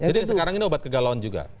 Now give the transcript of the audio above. jadi sekarang ini obat kegalauan juga